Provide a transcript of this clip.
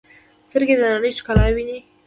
سترګې د نړۍ ښکلا ویني.